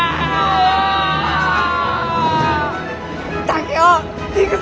竹雄行くぞ！